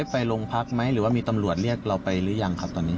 ไปโรงพักไหมหรือว่ามีตำรวจเรียกเราไปหรือยังครับตอนนี้